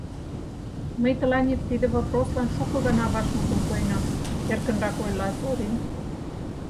— Мый тыланет тиде вопрослан шуко гана вашмутым пуэнам, — эркынрак ойла Зорин.